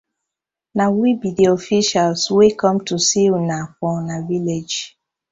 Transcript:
Na we bi di officials wey com to see una for una village.